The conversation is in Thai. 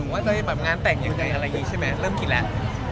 ว่าจะได้งานแต่งอย่างไรอีกใช่ไหมเริ่มกินแล้ว